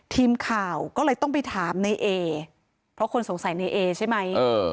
ทีมข่าวก็เลยต้องไปถามในเอเพราะคนสงสัยในเอใช่ไหม